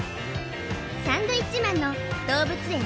サンドウィッチマンのどうぶつ園